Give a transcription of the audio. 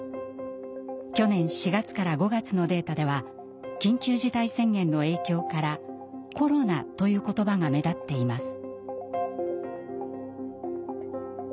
去年４月から５月のデータでは緊急事態宣言の影響から「コロナ」という言葉が目立っています。